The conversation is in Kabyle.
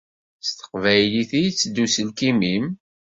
S teqbaylit i iteddu uselkim-im?